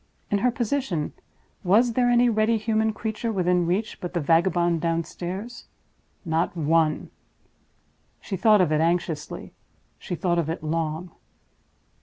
In her position, was there any ready human creature within reach but the vagabond downstairs? Not one. She thought of it anxiously, she thought of it long.